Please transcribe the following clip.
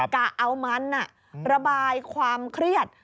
กะเอามันระบายความเครียด